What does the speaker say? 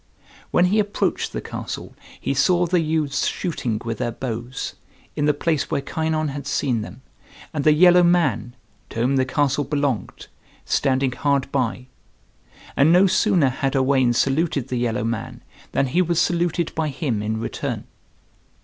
When he approached the castle he saw the youths shooting with their bows, in the place where Kynon had seen them, and the yellow man, to whom the castle belonged, standing hard by. And no sooner had Owain saluted the yellow man, than he was saluted by him in return.